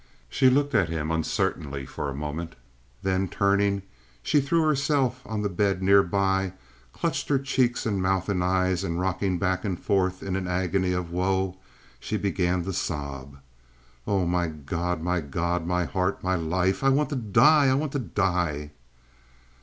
She looked at him uncertainly for a moment, then, turning, she threw herself on the bed near by, clutched her cheeks and mouth and eyes, and, rocking back and forth in an agony of woe, she began to sob: "Oh, my God! my God! My heart! My life! I want to die! I want to die!"